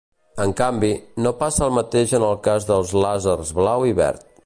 En canvi, no passa el mateix en el cas dels làsers blau i verd.